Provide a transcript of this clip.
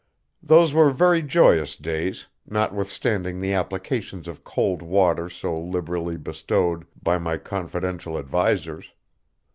Those were very joyous days, notwithstanding the applications of cold water so liberally bestowed by my confidential advisers.